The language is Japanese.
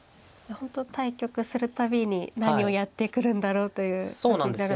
本当対局する度に何をやってくるんだろうという感じになるんですね。